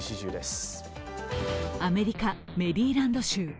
アメリカ・メリーランド州。